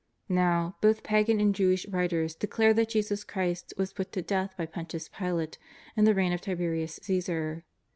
IsTow, both pagan and Jewish writers declare thaiJ Jesus Christ was put to death by Pontius Pilate in the reign of Tiberias Caesar.